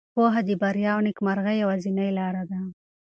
پوهه د بریا او نېکمرغۍ یوازینۍ لاره ده.